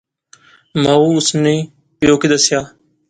مائو اس نے پیو کی دسیا